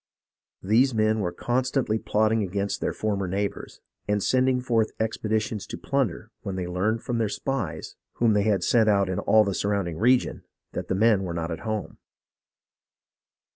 These men were constantly plotting against their former neighbours, and sending forth expedi tions to plunder when they learned from their spies, whom they had sent out in all the surrounding region, that the men were not at home.